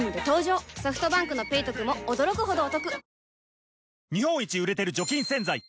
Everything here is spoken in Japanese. ソフトバンクの「ペイトク」も驚くほどおトク